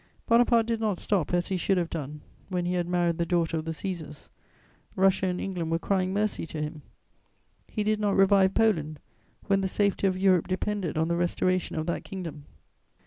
Bonaparte did not stop, as he should have done, when he had married the daughter of the Cæsars: Russia and England were crying mercy to him. He did not revive Poland, when the safety of Europe depended on the restoration of that kingdom.